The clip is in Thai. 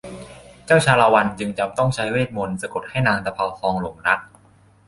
เจ้าชาละวันจึงจำต้องใช้เวทมนตร์สะกดให้นางตะเภาทองหลงรัก